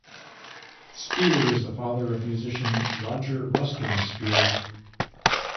Spear is the father of musician Roger Ruskin Spear.